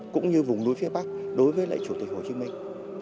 cũng như vùng núi phía bắc đối với lại chủ tịch hồ chí minh